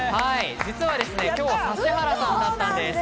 実は指原さんだったんです。